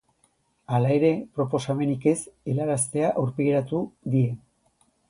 Hala ere, proposamenik ez helaraztea aurpegiratu die.